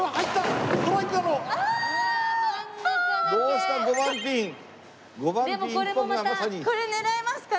でもこれもまた。